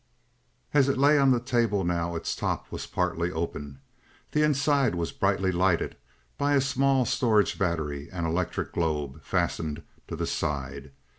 As it lay on the table now its top was partly open. The inside was brightly lighted by a small storage battery and electric globe, fastened to the side.